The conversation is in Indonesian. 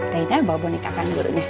reina bawa boneka kangdurunya